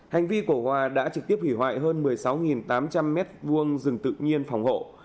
hành vi của hòa đã trực tiếp hủy hoại hơn một mươi sáu tám trăm linh m hai rừng tự nhiên phòng hộ